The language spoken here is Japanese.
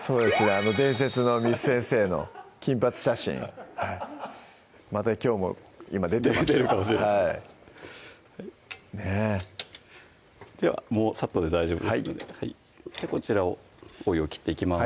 あの伝説の簾先生の金髪写真またきょうも今出てますよ出てるかもしれないですねぇではさっとで大丈夫ですのでこちらをお湯を切っていきます